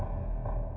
aku sudah selesai